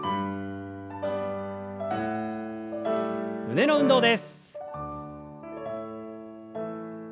胸の運動です。